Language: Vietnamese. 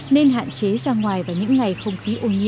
nên hạn chế ra ngoài vào những ngày không khí ô nhiễm